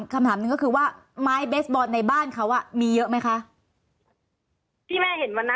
คุณแม่เห็นวันนั้นมีประมาณ